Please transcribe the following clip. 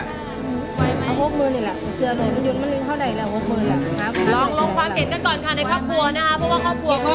ลองลงความเห็นกันก่อนนะคะในครอบครัวกรรมครอบครัวก็สำคัญ